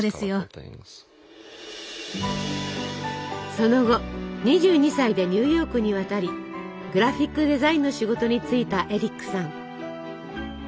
その後２２歳でニューヨークに渡りグラフィックデザインの仕事に就いたエリックさん。